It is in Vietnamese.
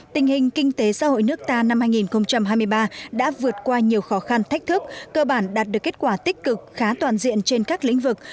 tình hình kinh tế xã hội nước ta năm hai nghìn hai mươi ba đã vượt qua nhiều khó khăn thách thức cơ bản đạt được kết quả tích cực khá toàn diện trên các lĩnh vực